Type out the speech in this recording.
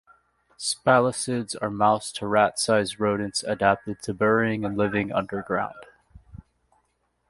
Spalacids are mouse- to rat-sized rodents, adapted to burrowing and living underground.